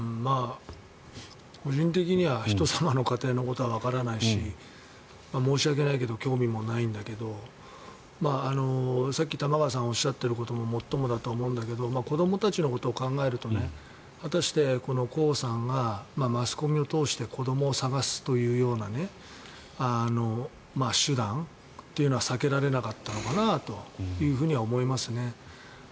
個人的には人様の家庭のことはわからないし申し訳ないけど興味もないんだけどさっき玉川さんがおっしゃっていることももっともだと思うんだけど子どもたちのことを考えるとね果たして、このコウさんがマスコミを通して子どもを探すというような手段というのは避けられなかったのかなとは思いますね。